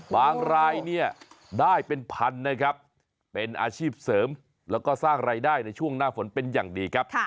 รายเนี่ยได้เป็นพันนะครับเป็นอาชีพเสริมแล้วก็สร้างรายได้ในช่วงหน้าฝนเป็นอย่างดีครับ